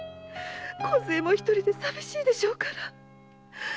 こずえも一人で寂しいでしょうから。